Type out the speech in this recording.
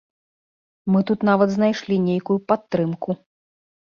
Мы тут нават знайшлі нейкую падтрымку.